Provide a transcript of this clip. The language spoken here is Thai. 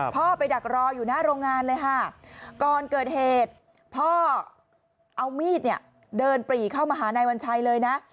พ่อไปดักรออยู่หน้าโรงงานเลยค่ะก่อนเกิดเหตุพ่อเอามีดเนี่ยเดินปรีเข้ามาหานายวัญชัยเลยนะ